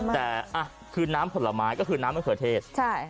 แต่คือน้ำผลไม้ก็คือน้ำมะเขือเทศ